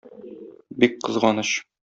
Бик кызганыч.